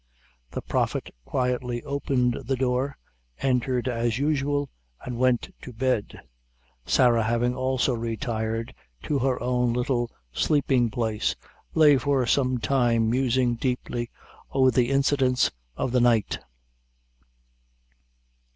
The Prophet quietly opened the door, entered as usual, and went to bed; Sarah having also retired to her own little sleeping place, lay for some time, musing deeply over the incidents of the night.